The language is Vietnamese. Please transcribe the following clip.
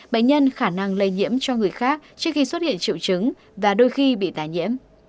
bệnh nhân khả năng lây nhiễm cho người khác trước khi xuất hiện triệu chứng và đôi khi bị tài nhiễm